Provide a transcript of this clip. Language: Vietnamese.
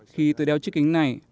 khi tôi đeo chiếc kính này